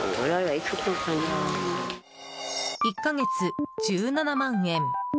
１か月１７万円。